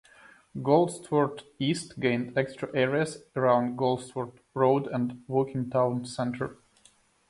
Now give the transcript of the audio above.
Goldsworth East gained extra areas around Goldsworth Road and Woking Town Centre.